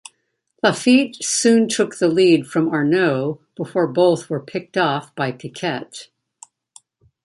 Laffite soon took the lead from Arnoux before both were picked-off by Piquet.